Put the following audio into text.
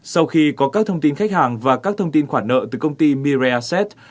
sau khi có các thông tin khách hàng và các thông tin khoản nợ từ công ty mirai assets